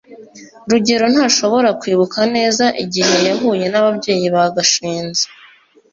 rugeyo ntashobora kwibuka neza igihe yahuye nababyeyi ba gashinzi